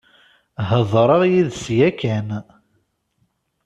Heḍṛeɣ yid-s yakan.